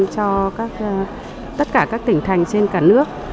cho tất cả các tỉnh thành trên cả nước